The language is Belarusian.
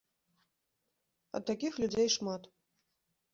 А такіх людзей шмат.